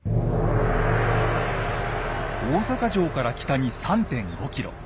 大阪城から北に３．５ｋｍ。